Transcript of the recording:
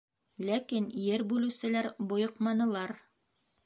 Ләкин ер бүлеүселәр бойоҡманылар.